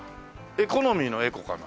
エコノミーのエコかな？